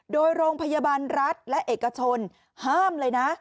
โดยโรงพยาบาลรัฐและเอกชนห้ามเลยนะ